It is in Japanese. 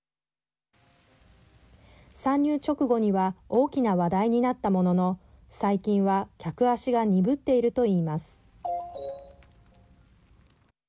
参入直後には大きな話題になったものの最近は客足が鈍っているといいます。